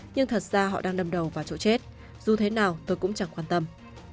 nhưng thật ra họ đang lâm đầu vào chỗ chết dù thế nào tôi cũng chẳng quan tâm